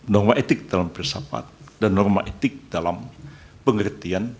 norma etik dalam filsafat dan norma etik dalam pengertian